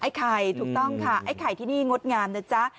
ไข่ถูกต้องค่ะไอ้ไข่ที่นี่งดงามนะจ๊ะ